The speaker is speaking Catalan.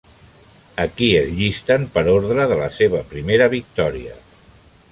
Aquí es llisten per ordre de la seva primera victòria.